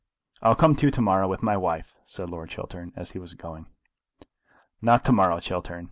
"I'll come to you to morrow, with my wife," said Lord Chiltern, as he was going. "Not to morrow, Chiltern.